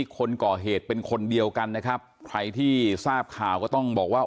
คนก่อเหตุเป็นคนเดียวกันนะครับใครที่ทราบข่าวก็ต้องบอกว่า